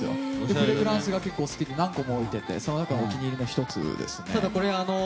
フレグランスが好きで何個も置いていてその中のお気に入りの１つですね。